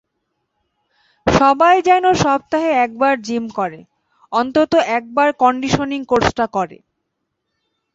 সবাই যেন সপ্তাহে একবার জিম করে, অন্তত একবার কন্ডিশনিং কোর্সটা করে।